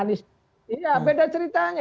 iya beda ceritanya